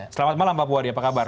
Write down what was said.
selamat malam pak puwadi apa kabar